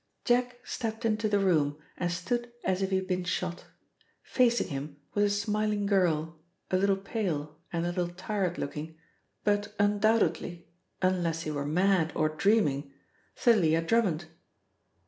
Jack stepped into the room and stood as if he had been shot. Facing him was a smiling girl, a little pale and a little tired looking, but undoubtedly, unless he were mad or dreaming, Thalia Drummond!